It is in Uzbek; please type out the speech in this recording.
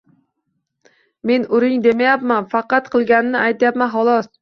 — Men uring demayapman, faqat qilganini aytayapman, xolos.